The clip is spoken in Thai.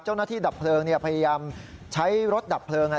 เจ้าหน้าที่ดับเพลิงพยายามใช้รถดับเพลิง